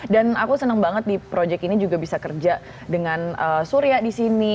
dan aku seneng banget di project ini juga bisa kerja dengan surya disini